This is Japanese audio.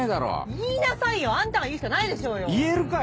言いなさいよ！あんたが言うしかないでしょうよ。